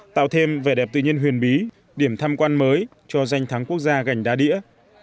tạo thêm vẻ đẹp tự nhiên huyền bí điểm tham quan mới cho danh thắng quốc gia gành đá đĩa